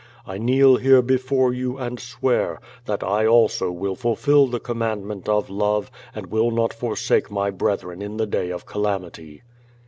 I kneel here before you, and swear, that I also will fulfill the command ment of love and will not forsake my brethren in the day of calamity.